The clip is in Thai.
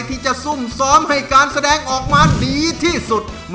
ซุ่มซ้อมให้การแสดงออกมาดีที่สุด